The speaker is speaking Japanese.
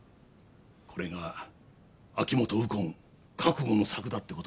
これが秋元右近覚悟の作だって事がな。